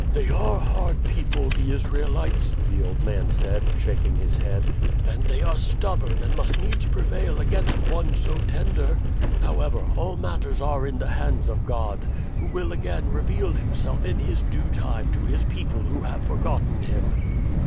"They are hard people the Israelites," the old man said, shaking his head, "and they are stubborn and must needs prevail against one so tender. However, all matters are in the hands of God, who will again reveal himself in his due time to his people who have forgotten him."